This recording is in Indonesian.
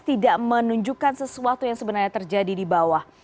tidak menunjukkan sesuatu yang sebenarnya terjadi di bawah